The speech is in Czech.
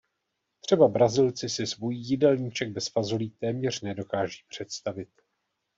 Třeba Brazilci si svůj jídelníček bez fazolí téměř nedokáží představit.